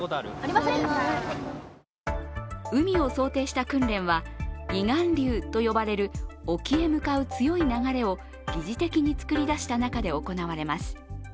海を想定した訓練は離岸流と呼ばれる沖へ向かう強い流れを擬似的に作り出した中で行われます。